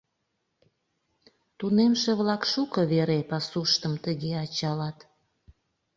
Тунемше-влак шуко вере пасуштым тыге ачалат.